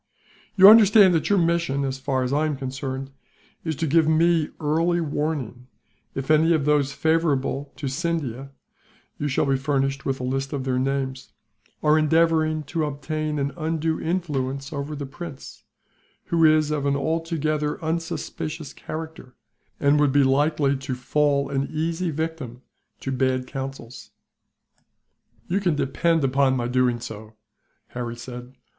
"You understand that your mission, as far as I am concerned, is to give me early warning, if any of those favourable to Scindia you shall be furnished with a list of their names are endeavouring to obtain an undue influence over the prince; who is of an altogether unsuspicious character, and would be likely to fall an easy victim to bad counsels." "You can depend upon my doing so," Harry said.